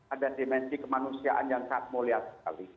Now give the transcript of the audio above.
ada dimensi kemanusiaan yang sangat mulia sekali